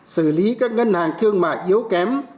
xử lý các ngân hàng thương mại yếu kém